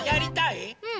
うん。